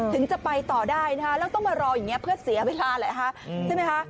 ถึงจะไปต่อได้นะคะแล้วต้องมารออย่างนี้เพื่อเสียเวลาแหละฮะใช่ไหมคะ